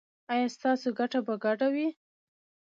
ایا ستاسو ګټه به ګډه وي؟